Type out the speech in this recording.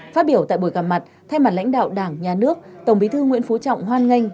phát biểu tại buổi gặp mặt thay mặt lãnh đạo đảng nhà nước tổng bí thư nguyễn phú trọng hoan nghênh